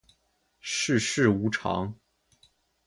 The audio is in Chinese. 世事无常